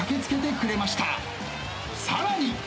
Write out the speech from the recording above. さらに！